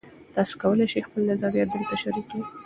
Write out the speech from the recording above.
تاسي کولای شئ خپل نظریات دلته شریک کړئ.